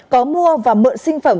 có mua và mượn sinh phẩm